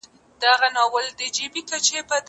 زه موبایل نه کاروم؟